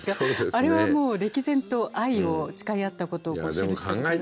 あれはもう歴然と愛を誓い合ったことを記して。